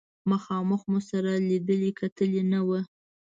مخامخ مو سره لیدلي کتلي نه ول.